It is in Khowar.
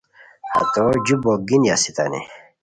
ہتو جو بوک گینی استانی